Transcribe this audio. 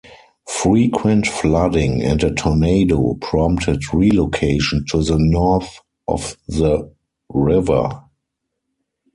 Frequent flooding and a tornado prompted relocation to the north of the river.